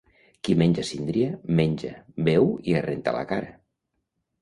Qui menja síndria, menja, beu i es renta la cara.